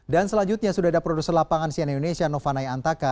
dan selanjutnya sudah ada produser lapangan siena indonesia novanai antaka